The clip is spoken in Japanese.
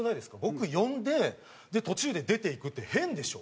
「僕呼んでで途中で出ていくって変でしょ」